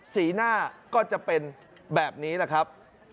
สีหน้าก็จะเป็นแบบนี้แหละครับ